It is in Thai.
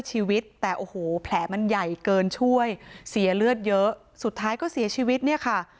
ชีวิตแต่โอ้โหแผลมันใหญ่เกินช่วยเสียเลือดเยอะสุดท้ายก็เสียชีวิตเนี่ยค่ะ